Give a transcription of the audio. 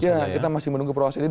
ya kita masih menunggu proses ini